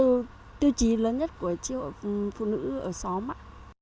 đó là tiêu chí lớn nhất của tri hội phụ nữ ở xóm ạ